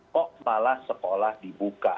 kok malah sekolah dibuka